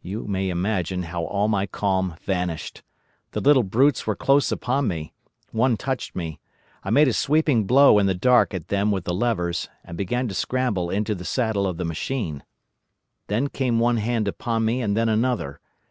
"You may imagine how all my calm vanished. The little brutes were close upon me. One touched me. I made a sweeping blow in the dark at them with the levers, and began to scramble into the saddle of the machine. Then came one hand upon me and then another.